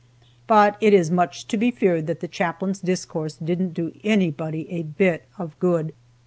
But it is much to be feared that the chaplain's discourse didn't do anybody a bit of good.